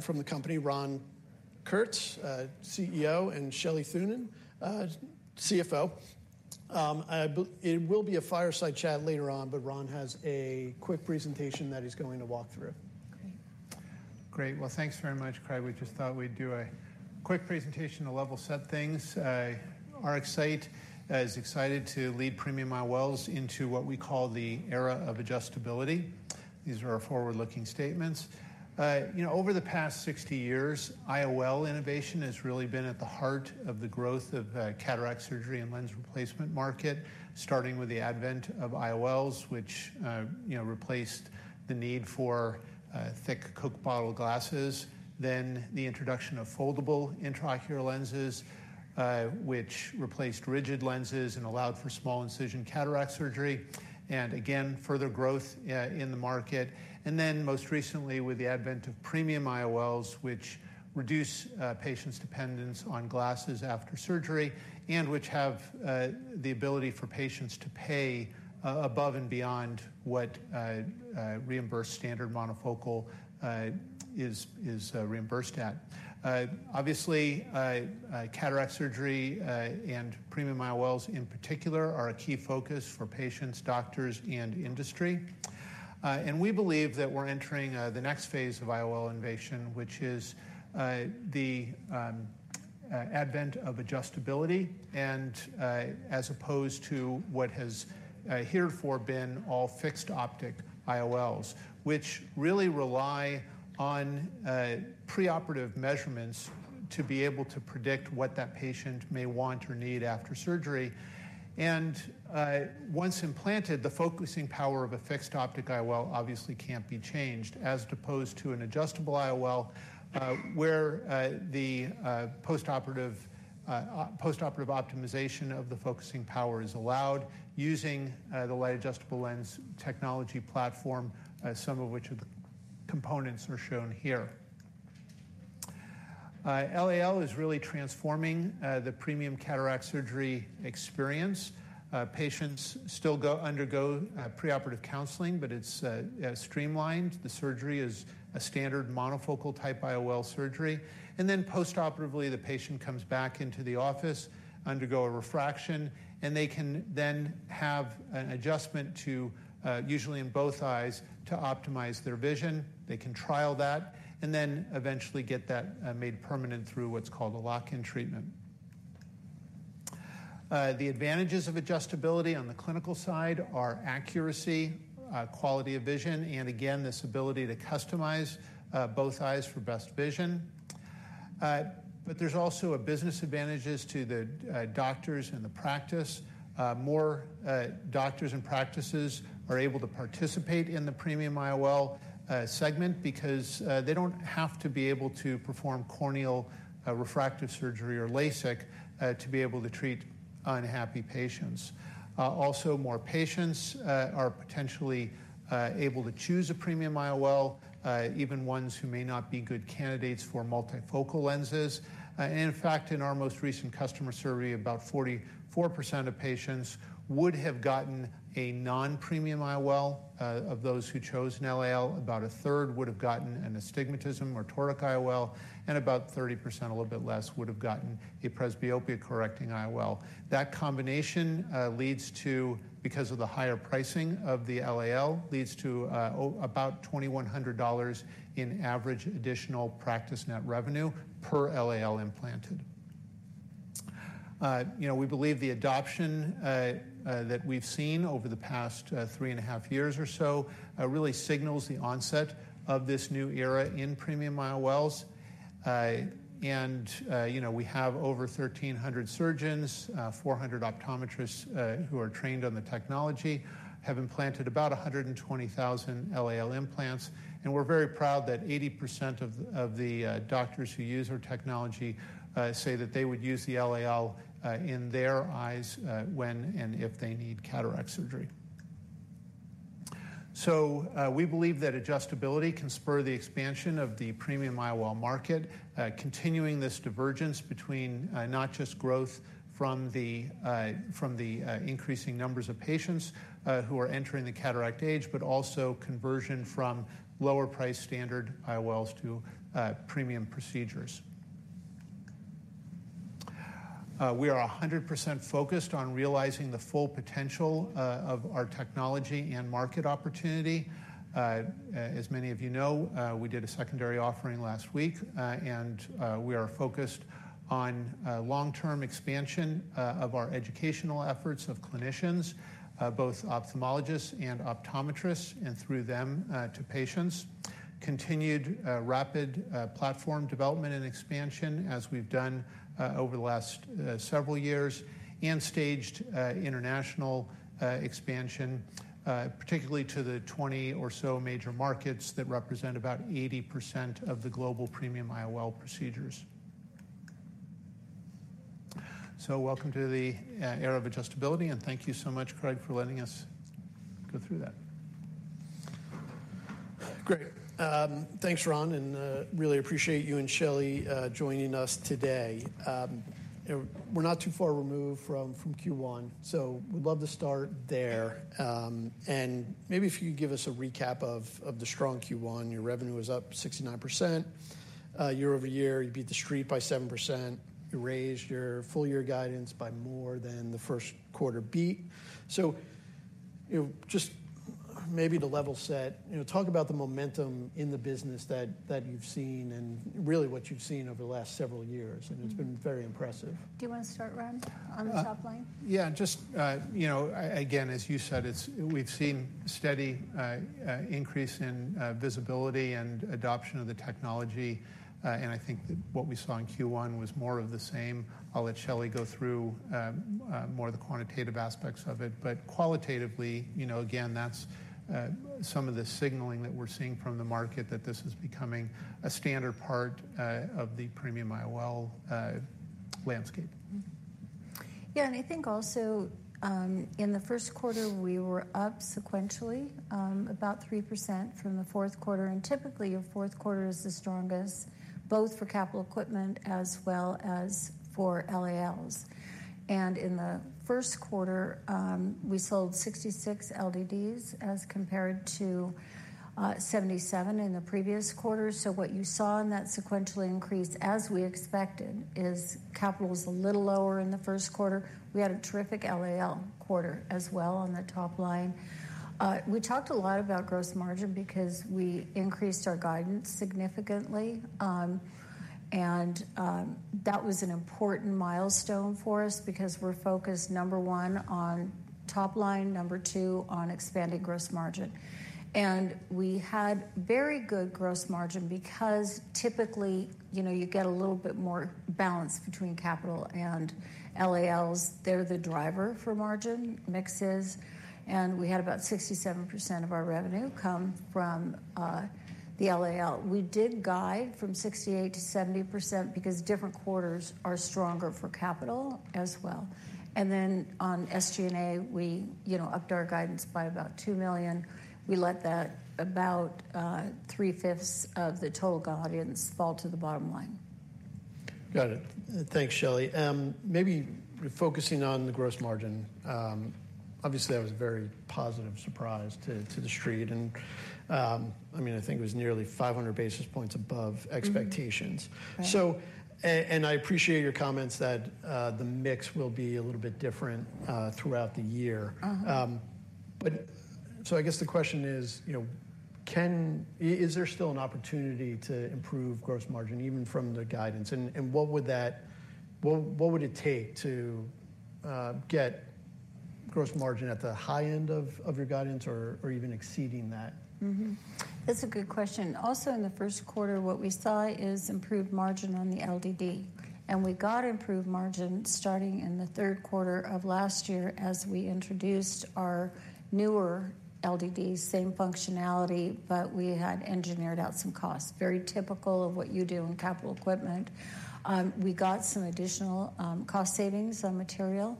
From the company, Ron Kurtz, CEO, and Shelley Thunen, CFO. It will be a fireside chat later on, but Ron has a quick presentation that he's going to walk through. Great. Well, thanks very much, Craig. We just thought we'd do a quick presentation to level set things. RxSight is excited to lead premium IOLs into what we call the era of adjustability. These are our forward-looking statements. You know, over the past 60 years, IOL innovation has really been at the heart of the growth of cataract surgery and lens replacement market, starting with the advent of IOLs, which, you know, replaced the need for thick Coke bottle glasses. Then the introduction of foldable intraocular lenses, which replaced rigid lenses and allowed for small incision cataract surgery, and again, further growth in the market. And then most recently, with the advent of premium IOLs, which reduce patients' dependence on glasses after surgery, and which have the ability for patients to pay above and beyond what reimbursed standard monofocal is reimbursed at. Obviously, cataract surgery and premium IOLs, in particular, are a key focus for patients, doctors, and industry. And we believe that we're entering the next phase of IOL innovation, which is the advent of adjustability and, as opposed to what has heretofore been all fixed optic IOLs, which really rely on preoperative measurements to be able to predict what that patient may want or need after surgery. Once implanted, the focusing power of a fixed optic IOL obviously can't be changed, as opposed to an adjustable IOL, where the postoperative optimization of the focusing power is allowed using the Light Adjustable Lens technology platform, some of which of the components are shown here. LAL is really transforming the premium cataract surgery experience. Patients still undergo preoperative counseling, but it's streamlined. The surgery is a standard monofocal type IOL surgery, and then postoperatively, the patient comes back into the office, undergo a refraction, and they can then have an adjustment to usually in both eyes, to optimize their vision. They can trial that, and then eventually get that made permanent through what's called a lock-in treatment. The advantages of adjustability on the clinical side are accuracy, quality of vision, and again, this ability to customize both eyes for best vision. But there's also a business advantages to the doctors and the practice. More doctors and practices are able to participate in the premium IOL segment because they don't have to be able to perform corneal refractive surgery or LASIK to be able to treat unhappy patients. Also, more patients are potentially able to choose a premium IOL even ones who may not be good candidates for multifocal lenses. And in fact, in our most recent customer survey, about 44% of patients would have gotten a non-premium IOL. Of those who chose an LAL, about a third would have gotten an astigmatism or toric IOL, and about 30%, a little bit less, would have gotten a presbyopia-correcting IOL. That combination, leads to, because of the higher pricing of the LAL, leads to, about $2,100 in average additional practice net revenue per LAL implanted. You know, we believe the adoption, that we've seen over the past, three and a half years or so, really signals the onset of this new era in Premium IOLs. you know, we have over 1,300 surgeons, 400 optometrists, who are trained on the technology, have implanted about 120,000 LAL implants, and we're very proud that 80% of the doctors who use our technology say that they would use the LAL in their eyes when and if they need cataract surgery. So, we believe that adjustability can spur the expansion of the premium IOL market, continuing this divergence between not just growth from the increasing numbers of patients who are entering the cataract age, but also conversion from lower-priced standard IOLs to premium procedures. We are 100% focused on realizing the full potential of our technology and market opportunity. As many of you know, we did a secondary offering last week, and we are focused on long-term expansion of our educational efforts of clinicians, both ophthalmologists and optometrists, and through them to patients. Continued rapid platform development and expansion, as we've done over the last several years, and staged international expansion, particularly to the 20 or so major markets that represent about 80% of the global premium IOL procedures. So welcome to the era of adjustability, and thank you so much, Craig, for letting us go through that. Great. Thanks, Ron, and really appreciate you and Shelley joining us today. You know, we're not too far removed from Q1, so we'd love to start there. And maybe if you could give us a recap of the strong Q1. Your revenue was up 69% year-over-year. You beat the Street by 7%. You raised your full year guidance by more than the first quarter beat. So, you know, just maybe to level set, you know, talk about the momentum in the business that you've seen and really what you've seen over the last several years, and it's been very impressive. Do you want to start, Ron, on the top line? Yeah, just, you know, again, as you said, we've seen steady increase in visibility and adoption of the technology, and I think that what we saw in Q1 was more of the same. I'll let Shelley go through more of the quantitative aspects of it, but qualitatively, you know, again, that's some of the signaling that we're seeing from the market, that this is becoming a standard part of the premium IOL landscape. Yeah, and I think also, in the first quarter, we were up sequentially, about 3% from the fourth quarter, and typically, your fourth quarter is the strongest, both for capital equipment as well as for LALs. And in the first quarter, we sold 66 LDDs as compared to, 77 in the previous quarter. So what you saw in that sequential increase, as we expected, is capital was a little lower in the first quarter. We had a terrific LAL quarter as well on the top line. We talked a lot about gross margin because we increased our guidance significantly, and, that was an important milestone for us because we're focused, number one, on top line, number two, on expanding gross margin. We had very good gross margin because typically, you know, you get a little bit more balance between capital and LALs. They're the driver for margin mixes, and we had about 67% of our revenue come from the LAL. We did guide from 68%-70% because different quarters are stronger for capital as well. Then on SG&A, we, you know, upped our guidance by about $2 million. We let that about three-fifths of the total guidance fall to the bottom line. Got it. Thanks, Shelley. Maybe focusing on the gross margin, obviously, that was a very positive surprise to the Street. And, I mean, I think it was nearly 500 basis points above expectations. Right. So, and I appreciate your comments that the mix will be a little bit different throughout the year. Uh-huh. So, I guess the question is, you know, is there still an opportunity to improve gross margin, even from the guidance? And what would it take to get gross margin at the high end of your guidance or even exceeding that? Mm-hmm. That's a good question. Also, in the first quarter, what we saw is improved margin on the LDD, and we got improved margin starting in the third quarter of last year as we introduced our newer LDD, same functionality, but we had engineered out some costs. Very typical of what you do in capital equipment. We got some additional cost savings on material.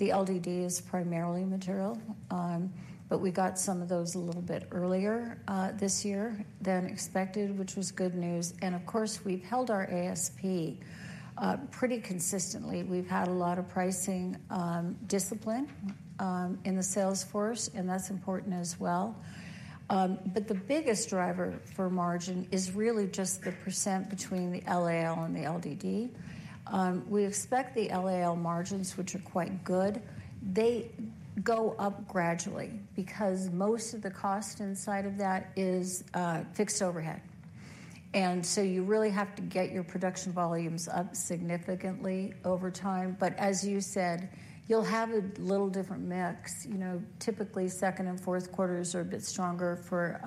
The LDD is primarily material, but we got some of those a little bit earlier this year than expected, which was good news. And of course, we've held our ASP pretty consistently. We've had a lot of pricing discipline in the sales force, and that's important as well. But the biggest driver for margin is really just the percent between the LAL and the LDD. We expect the LAL margins, which are quite good, they go up gradually because most of the cost inside of that is fixed overhead. And so you really have to get your production volumes up significantly over time. But as you said, you'll have a little different mix. You know, typically, second and fourth quarters are a bit stronger for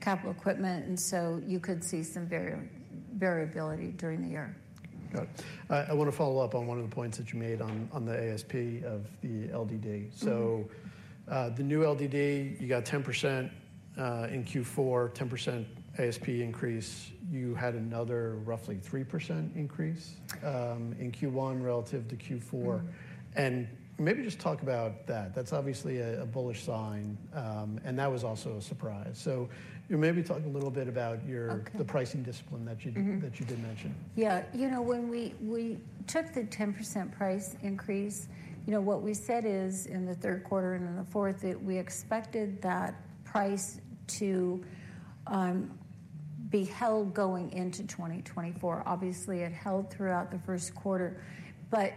capital equipment, and so you could see some variability during the year. Got it. I want to follow up on one of the points that you made on the ASP of the LDD. Mm-hmm. So, the new LDD, you got 10% in Q4, 10% ASP increase. You had another roughly 3% increase in Q1 relative to Q4. Maybe just talk about that. That's obviously a bullish sign, and that was also a surprise. So maybe talk a little bit about your- Okay... the pricing discipline that you that you did mention. Yeah. You know, when we took the 10% price increase, you know, what we said is, in the third quarter and in the fourth, that we expected that price to be held going into 2024. Obviously, it held throughout the first quarter. But,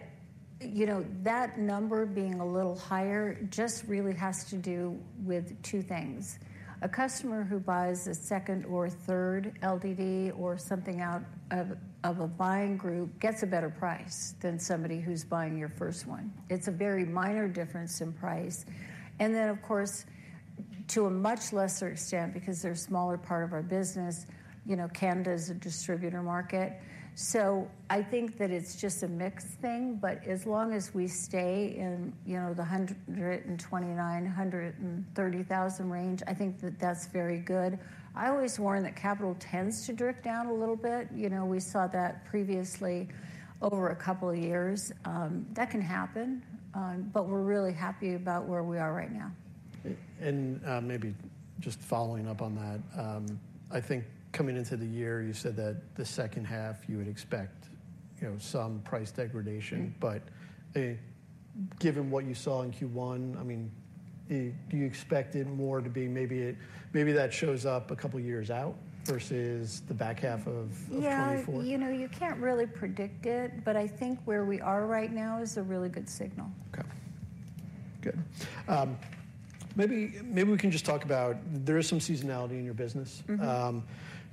you know, that number being a little higher just really has to do with two things. A customer who buys a second or third LDD or something out of a buying group gets a better price than somebody who's buying your first one. It's a very minor difference in price. And then, of course, to a much lesser extent, because they're a smaller part of our business, you know, Canada is a distributor market. I think that it's just a mix thing, but as long as we stay in, you know, the 129,000-130,000 range, I think that that's very good. I always warn that capital tends to drift down a little bit. You know, we saw that previously over a couple of years. That can happen, but we're really happy about where we are right now. And, maybe just following up on that, I think coming into the year, you said that the second half you would expect, you know, some price degradation. Mm-hmm. But, given what you saw in Q1, I mean, do you expect it more to be maybe, maybe that shows up a couple of years out versus the back half of 2024? Yeah, you know, you can't really predict it, but I think where we are right now is a really good signal. Okay. Good. Maybe we can just talk about, there is some seasonality in your business.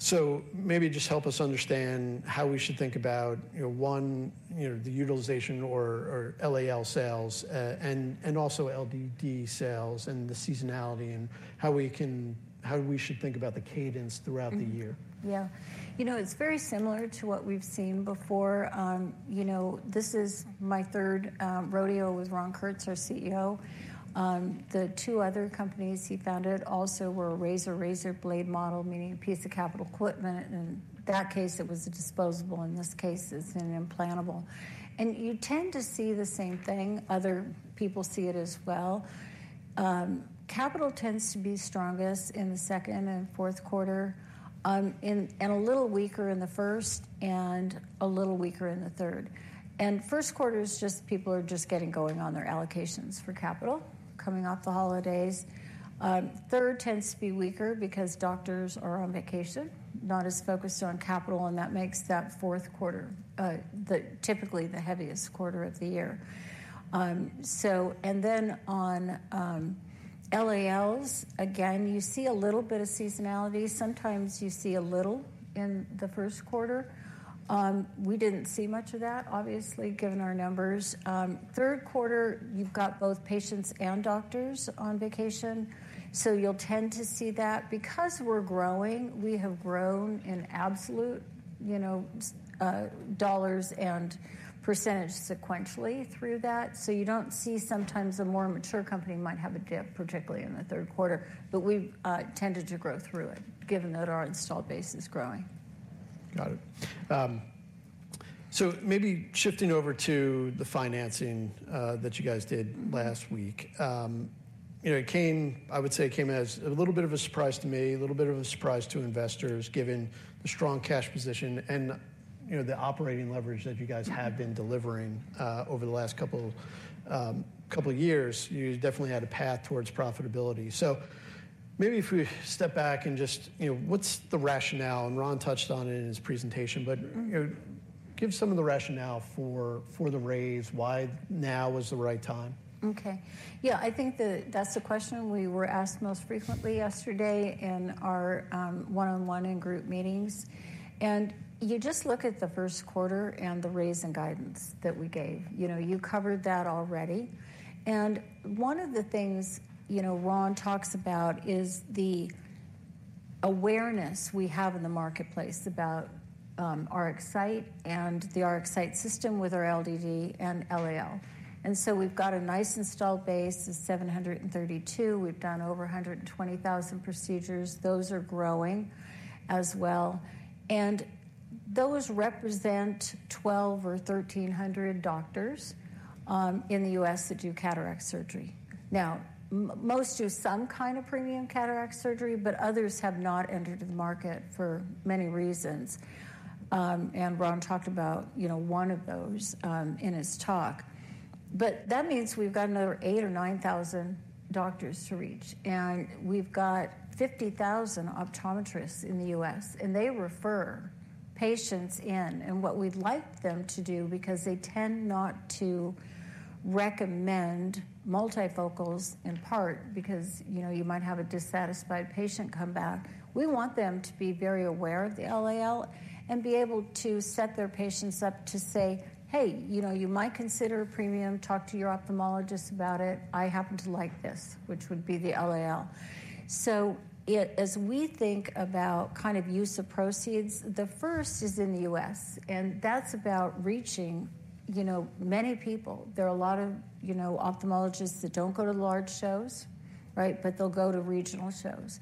Mm-hmm. Maybe just help us understand how we should think about, you know, one, you know, the utilization or LAL sales, and also LDD sales, and the seasonality, and how we should think about the cadence throughout the year. Mm-hmm. Yeah. You know, it's very similar to what we've seen before. You know, this is my third rodeo with Ron Kurtz, our CEO. The two other companies he founded also were razor, razor blade model, meaning a piece of capital equipment, and in that case, it was a disposable, in this case, it's an implantable. And you tend to see the same thing. Other people see it as well. Capital tends to be strongest in the second and fourth quarter, and a little weaker in the first, and a little weaker in the third. First quarter is just people are just getting going on their allocations for capital, coming off the holidays. Third tends to be weaker because doctors are on vacation, not as focused on capital, and that makes that fourth quarter typically the heaviest quarter of the year. And then on LALs, again, you see a little bit of seasonality. Sometimes you see a little in the first quarter. We didn't see much of that, obviously, given our numbers. Third quarter, you've got both patients and doctors on vacation, so you'll tend to see that. Because we're growing, we have grown in absolute, you know, dollars and percentage sequentially through that. So you don't see sometimes a more mature company might have a dip, particularly in the third quarter, but we've tended to grow through it, given that our installed base is growing. Got it. So maybe shifting over to the financing that you guys did last week. You know, I would say, it came as a little bit of a surprise to me, a little bit of a surprise to investors, given the strong cash position and, you know, the operating leverage that you guys have been delivering over the last couple of years. You definitely had a path towards profitability. So maybe if we step back and just, you know, what's the rationale? And Ron touched on it in his presentation, but you know, give some of the rationale for the raise, why now is the right time? Okay. Yeah, I think that's the question we were asked most frequently yesterday in our one-on-one and group meetings. And you just look at the first quarter and the raise and guidance that we gave. You know, you covered that already. And one of the things, you know, Ron talks about is the awareness we have in the marketplace about our RxSight and the RxSight system with our LDD and LAL. And so we've got a nice installed base of 732. We've done over 120,000 procedures. Those are growing as well. And those represent 1,200 or 1,300 doctors in the U.S. that do cataract surgery. Now, most do some kind of premium cataract surgery, but others have not entered the market for many reasons. And Ron talked about, you know, one of those, in his talk. But that means we've got another 8 or 9 thousand doctors to reach, and we've got 50,000 optometrists in the U.S., and they refer patients in. And what we'd like them to do, because they tend not to recommend multifocals, in part because, you know, you might have a dissatisfied patient come back. We want them to be very aware of the LAL and be able to set their patients up to say: "Hey, you know, you might consider a premium. Talk to your ophthalmologist about it. I happen to like this," which would be the LAL. So as we think about kind of use of proceeds, the first is in the U.S., and that's about reaching, you know, many people. There are a lot of, you know, ophthalmologists that don't go to large shows, right, but they'll go to regional shows.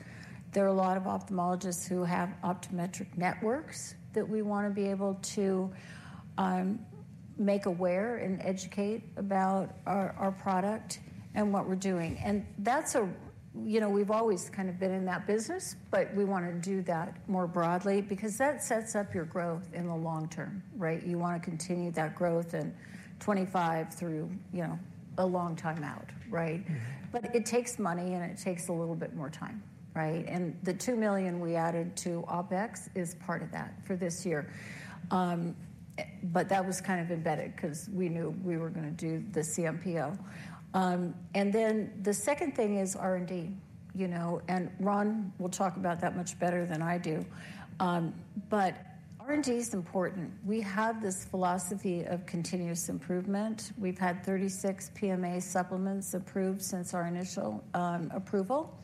There are a lot of ophthalmologists who have optometric networks that we want to be able to make aware and educate about our, our product and what we're doing. And that's. You know, we've always kind of been in that business, but we want to do that more broadly because that sets up your growth in the long term, right? You want to continue that growth in 25 through, you know, a long time out, right? Mm-hmm. But it takes money, and it takes a little bit more time, right? And the $2 million we added to OpEx is part of that for this year. But that was kind of embedded because we knew we were going to do the CMPO. And then the second thing is R&D, you know, and Ron will talk about that much better than I do. But R&D is important. We have this philosophy of continuous improvement. We've had 36 PMA supplements approved since our initial approval,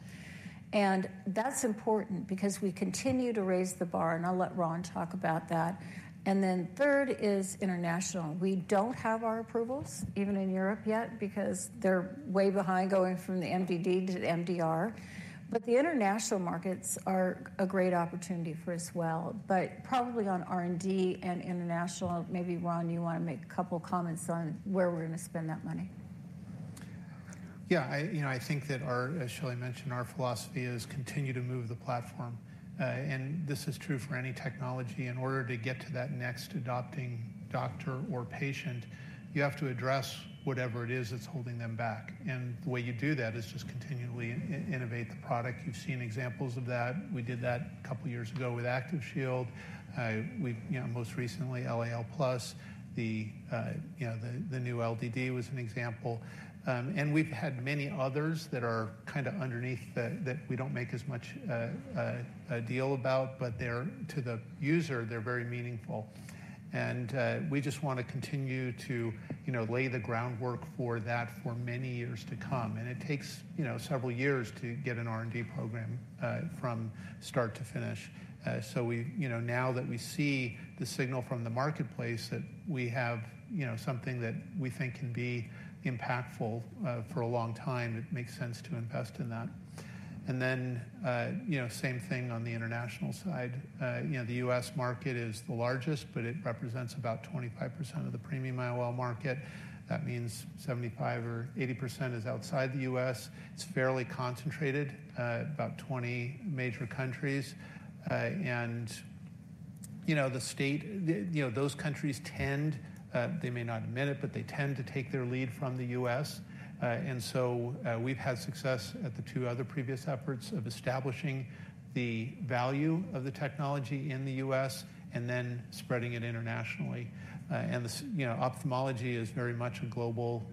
and that's important because we continue to raise the bar, and I'll let Ron talk about that. And then third is international. We don't have our approvals, even in Europe yet, because they're way behind going from the MDD to MDR. But the international markets are a great opportunity for us well. Probably on R&D and international, maybe, Ron, you want to make a couple comments on where we're going to spend that money? Yeah, you know, I think that our, as Shelley mentioned, our philosophy is continue to move the platform. And this is true for any technology. In order to get to that next adopting doctor or patient, you have to address whatever it is that's holding them back. And the way you do that is just continually innovate the product. You've seen examples of that. We did that a couple of years ago with ActivShield. We, you know, most recently, LAL+, the new LDD was an example. And we've had many others that are kinda underneath, that we don't make as much a deal about, but to the user, they're very meaningful. And we just wanna continue to, you know, lay the groundwork for that for many years to come. And it takes, you know, several years to get an R&D program from start to finish. So, you know, now that we see the signal from the marketplace, that we have, you know, something that we think can be impactful for a long time, it makes sense to invest in that. And then, you know, same thing on the international side. You know, the U.S. market is the largest, but it represents about 25% of the premium IOL market. That means 75% or 80% is outside the U.S. It's fairly concentrated, about 20 major countries. And, you know, those countries tend, they may not admit it, but they tend to take their lead from the U.S. And so, we've had success at the two other previous efforts of establishing the value of the technology in the U.S. and then spreading it internationally. You know, ophthalmology is very much a global,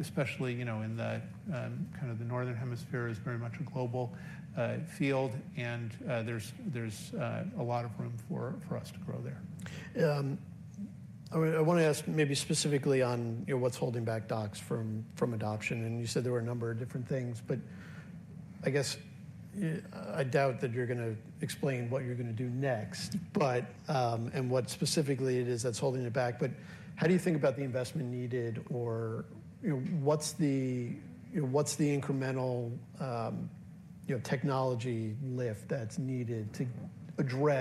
especially, you know, in the kind of the Northern Hemisphere, is very much a global field, and there's a lot of room for us to grow there. I wanna ask maybe specifically on, you know, what's holding back docs from adoption, and you said there were a number of different things, but I guess I doubt that you're gonna explain what you're gonna do next, but what specifically it is that's holding it back. But how do you think about the investment needed or, you know, what's the incremental technology lift that's needed to address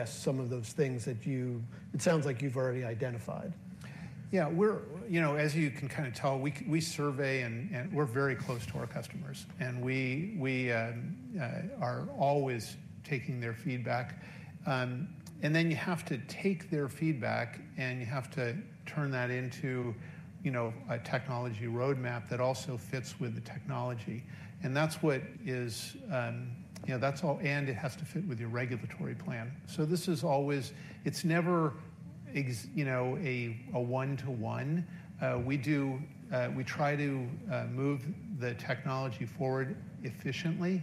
some of those things that you've already identified? Yeah, you know, as you can kinda tell, we're always taking their feedback. And then you have to take their feedback, and you have to turn that into, you know, a technology roadmap that also fits with the technology. And that's what is, you know, that's all. And it has to fit with your regulatory plan. So this is always, it's never exact, you know, a one-to-one. We try to move the technology forward efficiently,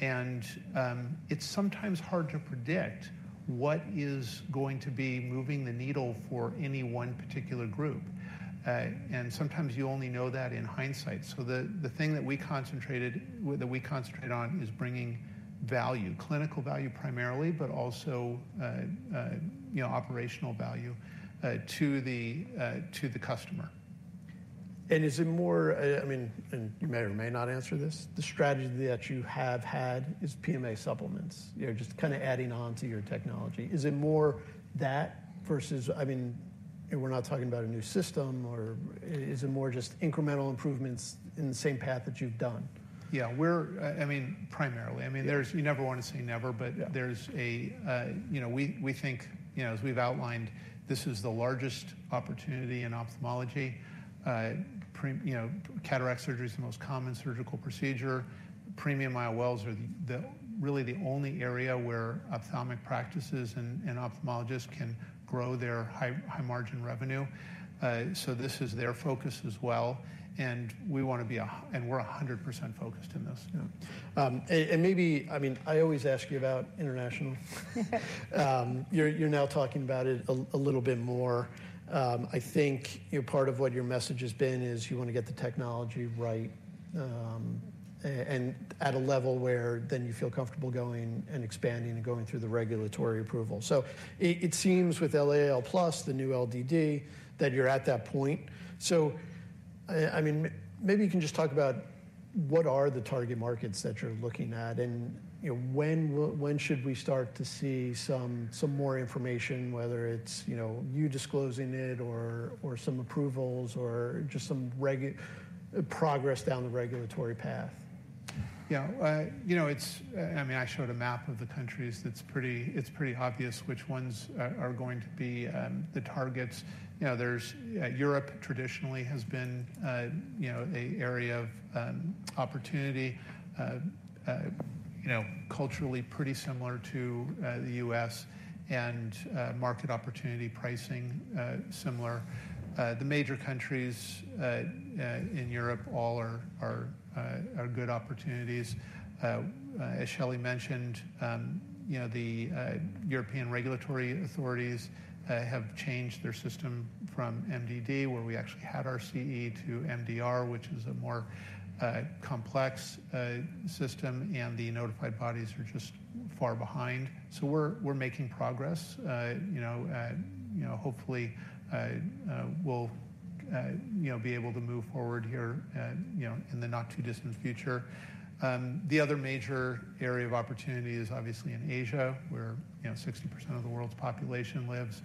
and it's sometimes hard to predict what is going to be moving the needle for any one particular group. And sometimes you only know that in hindsight. So the thing that we concentrate on is bringing value, clinical value primarily, but also, you know, operational value to the customer. Is it more, I mean, and you may or may not answer this, the strategy that you have had is PMA supplements, you know, just kinda adding on to your technology. Is it more that versus... I mean, and we're not talking about a new system or is it more just incremental improvements in the same path that you've done? Yeah, we're. I mean, primarily. I mean, there's you never wanna say never, but there's, you know, we think, you know, as we've outlined, this is the largest opportunity in ophthalmology. Premium, you know, cataract surgery is the most common surgical procedure. Premium IOLs are really the only area where ophthalmic practices and ophthalmologists can grow their high-margin revenue. So this is their focus as well, and we wanna be, and we're 100% focused on this. And maybe, I mean, I always ask you about international. You're now talking about it a little bit more. I think, you know, part of what your message has been is you wanna get the technology right, and at a level where then you feel comfortable going and expanding and going through the regulatory approval. So it seems with LAL+, the new LDD, that you're at that point. So, I mean, maybe you can just talk about what are the target markets that you're looking at, and, you know, when should we start to see some more information, whether it's, you know, you disclosing it or some approvals or just some regulatory progress down the regulatory path? Yeah, you know, it's. I mean, I showed a map of the countries that's pretty, it's pretty obvious which ones are going to be the targets. You know, there's Europe traditionally has been, you know, an area of opportunity, you know, culturally pretty similar to the US and market opportunity pricing similar. The major countries in Europe all are good opportunities. As Shelley mentioned, you know, the European regulatory authorities have changed their system from MDD, where we actually had our CE, to MDR, which is a more complex system, and the notified bodies are just far behind. So we're making progress. You know, hopefully, we'll, you know, be able to move forward here, you know, in the not-too-distant future. The other major area of opportunity is obviously in Asia, where, you know, 60% of the world's population lives.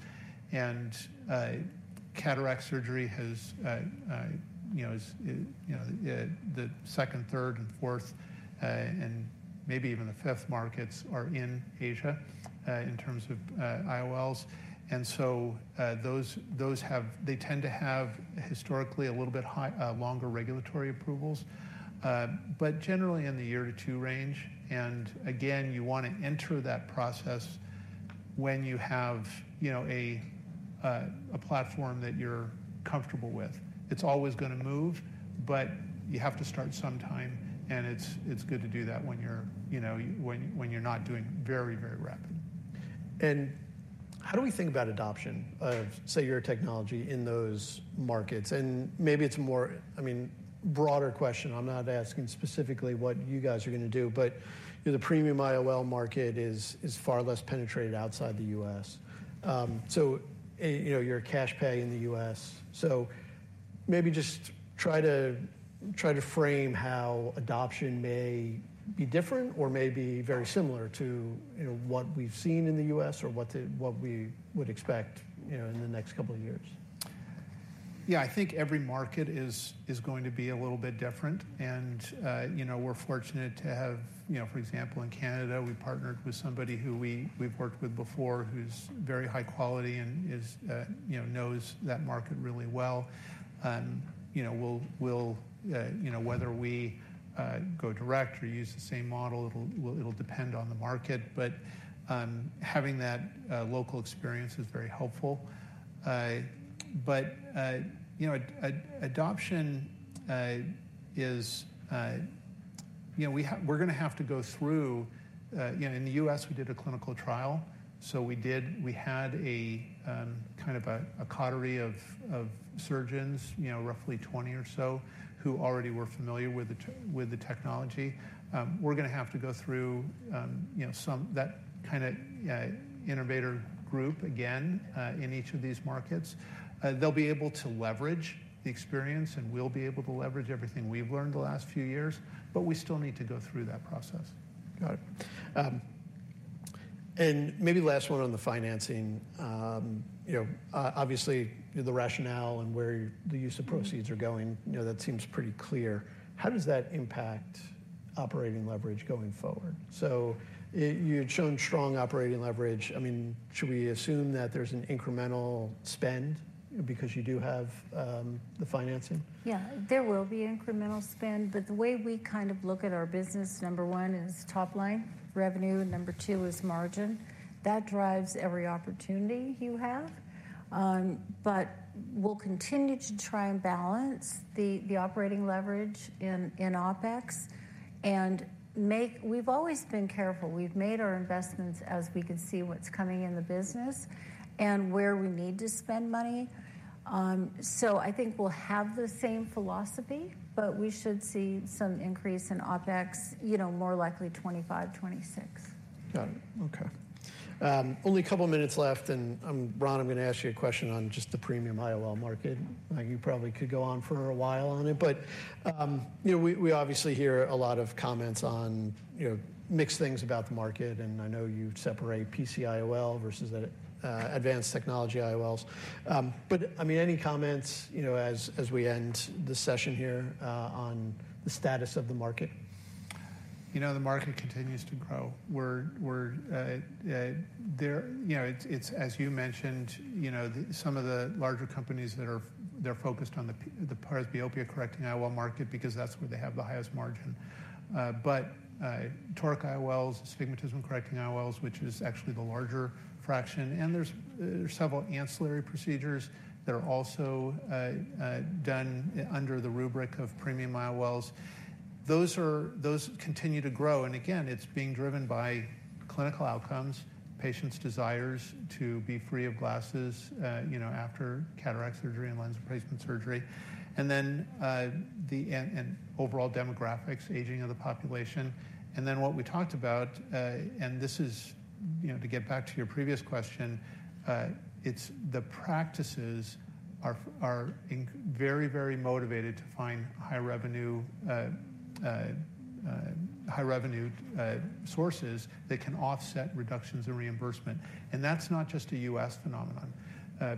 And, the second, third, and fourth, and maybe even the fifth markets are in Asia, in terms of IOLs. And so, those have they tend to have historically a little bit higher, longer regulatory approvals, but generally in the year to two range. And again, you wanna enter that process when you have, you know, a platform that you're comfortable with. It's always gonna move, but you have to start sometime, and it's good to do that when you're, you know, when you're not doing very rapid. And how do we think about adoption of, say, your technology in those markets? And maybe it's more, I mean, broader question, I'm not asking specifically what you guys are gonna do, but, you know, the premium IOL market is far less penetrated outside the U.S. So, you know, you're a cash pay in the U.S., so maybe just try to frame how adoption may be different or may be very similar to, you know, what we've seen in the U.S. or what we would expect, you know, in the next couple of years. Yeah, I think every market is going to be a little bit different. And, you know, we're fortunate to have, you know, for example, in Canada, we partnered with somebody who we've worked with before, who's very high quality and is, you know, knows that market really well. And, you know, we'll, you know, whether we go direct or use the same model, it'll depend on the market. But, having that local experience is very helpful. But, you know, adoption is, you know, we're gonna have to go through, you know, in the U.S., we did a clinical trial, so we had a kind of a coterie of surgeons, you know, roughly 20 or so, who already were familiar with the technology. We're gonna have to go through, you know, some that kind of innovator group again in each of these markets. They'll be able to leverage the experience, and we'll be able to leverage everything we've learned the last few years, but we still need to go through that process. Got it. And maybe last one on the financing. You know, obviously, the rationale and where the use of proceeds are going, you know, that seems pretty clear. How does that impact operating leverage going forward? So you've shown strong operating leverage. I mean, should we assume that there's an incremental spend because you do have the financing? Yeah, there will be incremental spend, but the way we kind of look at our business, number one is top line revenue, number two is margin. That drives every opportunity you have. But we'll continue to try and balance the operating leverage in OpEx and we've always been careful. We've made our investments as we can see what's coming in the business and where we need to spend money. So I think we'll have the same philosophy, but we should see some increase in OpEx, you know, more likely 2025, 2026. Got it. Okay. Only a couple of minutes left, and, Ron, I'm gonna ask you a question on just the premium IOL market. You probably could go on for a while on it, but, you know, we obviously hear a lot of comments on, you know, mixed things about the market, and I know you separate PC IOL versus the, advanced technology IOLs. But, I mean, any comments, you know, as we end this session here, on the status of the market? You know, the market continues to grow. You know, it's as you mentioned, you know, some of the larger companies that are, they're focused on the presbyopia-correcting IOL market because that's where they have the highest margin. But toric IOLs, astigmatism-correcting IOLs, which is actually the larger fraction, and there's several ancillary procedures that are also done under the rubric of premium IOLs. Those continue to grow, and again, it's being driven by clinical outcomes, patients' desires to be free of glasses, you know, after cataract surgery and lens replacement surgery, and then and overall demographics, aging of the population. And then what we talked about, and this is, you know, to get back to your previous question, it's the practices are very, very motivated to find high revenue, high revenue sources that can offset reductions in reimbursement. That's not just a U.S. phenomenon.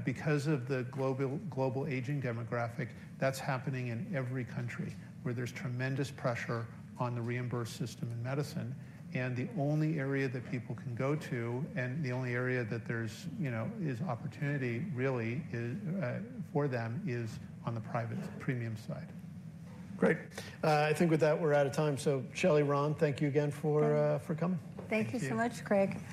Because of the global, global aging demographic, that's happening in every country where there's tremendous pressure on the reimbursed system in medicine, and the only area that people can go to, and the only area that there's, you know, is opportunity really for them, is on the private premium side. Great. I think with that, we're out of time. So Shelley, Ron, thank you again for coming. Thank you so much, Craig.